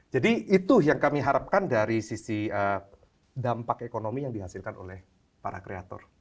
jadi itu yang kami harapkan dari sisi dampak ekonomi yang dihasilkan oleh para kreator